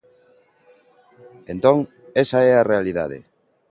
Entón, esa é a realidade.